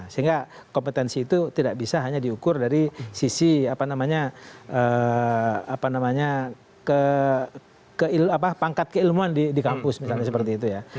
sehingga kompetensi itu tidak bisa hanya diukur dari sisi apa namanya apa namanya ke apa pangkat keilmuan di kampus misalnya seperti itu ya